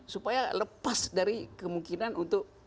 supaya lepas dari kemungkinan untuk